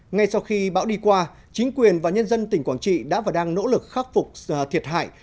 ngay sau khi bão đi qua chính quyền và nhân dân tỉnh quảng trị đã và đang nỗ lực khắc phục thiệt hại